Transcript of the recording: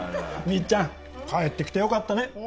ミッちゃん帰ってきてよかったね！